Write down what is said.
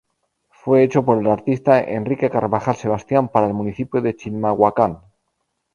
Fue hecho por el artista Enrique Carbajal "Sebastian" para el municipio de Chimalhuacán.